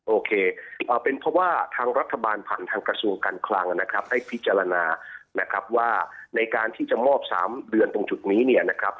โอเคเป็นเพราะว่าทางรัฐบาลผ่านทางกระทบงการคลังให้พิจารณาว่าในการที่จะมอบ๓เดือนตรงจุดนี้